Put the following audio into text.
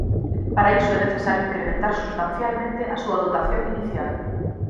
Para iso é necesario incrementar substancialmente a súa dotación inicial.